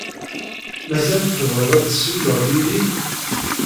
Mazal tebɣiḍ ad tessiwleḍ yid-i?